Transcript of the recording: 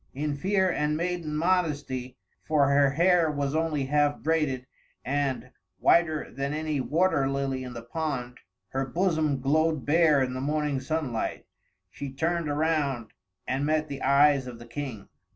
In fear and maiden modesty for her hair was only half braided, and, whiter than any water lily in the pond, her bosom glowed bare in the morning sunlight she turned around, and met the eyes of the King.